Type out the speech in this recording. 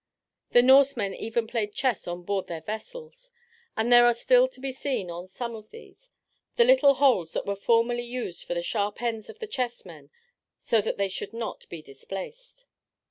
The Norsemen even played chess on board their vessels, and there are still to be seen, on some of these, the little holes that were formerly used for the sharp ends of the chessmen, so that they should not be displaced.